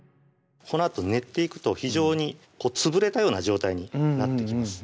このあと練っていくと非常に潰れたような状態になってきます